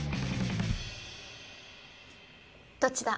どっちだ。